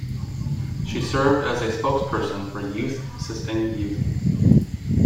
She served as Spokesperson for Youth Assisting Youth.